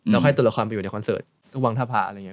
แล้วให้ตัวละครไปอยู่ในคอนเสิร์ตวังท่าพระอะไรอย่างนี้